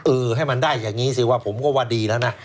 เออให้มันได้อย่างนี้สิว่าผมก็ว่าดีแล้วนะ